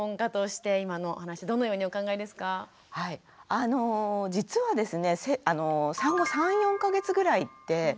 あの実はですね